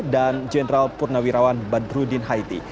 dan jenderal purnawirawan badrudin haiti